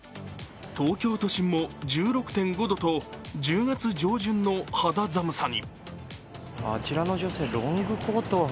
東京都心も１６．５度と１０月上旬の肌寒い気温に。